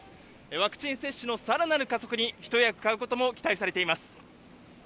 ワクチン接種のさらなる加速に一役買うことも期待されています。